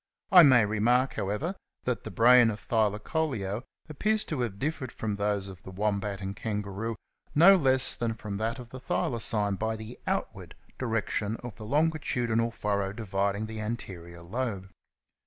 I may remark, however, that the brain of Thylacoleo appears to have difl^ered from those of the Wombat and Kangaroo no less than from that of the Thylacine by the outward direction of the longitudinal furrow dividing the anterior lobe.